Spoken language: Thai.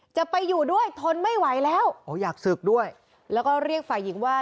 จะไปอยู่ด้วยทนไม่ไหวแล้วอ๋ออยากศึกด้วยแล้วก็เรียกฝ่ายหญิงว่า